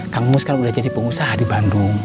kamus kan udah jadi pengusaha di bandung